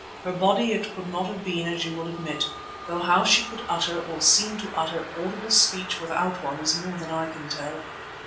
Her body it could not have been as you will admit, though how she could utter, or seem to utter, audible speech without one is more than I can tell.